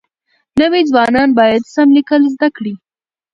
نوي ځوانان بايد سم ليکل زده کړي.